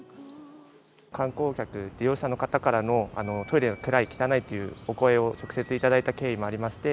観光客、利用者の方からのトイレが暗い、汚いというお声を直接いただいた経緯もありまして。